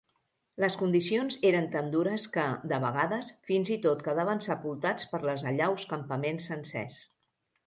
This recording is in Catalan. Les condicions eren tan dures que, de vegades, fins i tot quedaven sepultats per les allaus campaments sencers.